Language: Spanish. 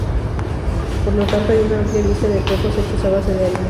Por lo tanto hay una amplia lista de platos hechos a base de harina.